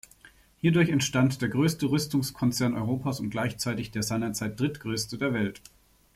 Hierdurch entstand der größte Rüstungskonzern Europas und gleichzeitig der seinerzeit drittgrößte der Welt.